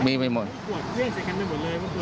เวี่ยงเสร็จแค่นั้นหมดเลยหรือเปลือกลัว